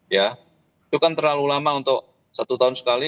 ya itu kan terlalu lama untuk satu tahun sekali